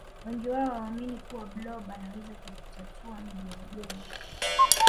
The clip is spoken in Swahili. wengi wao hawaamini kuwa blob anaweza kutatua migogoro